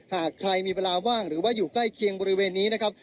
หากใครมีเวลาว่างหรือว่าอยู่ใกล้เคียงบริเวณนี้นะครับ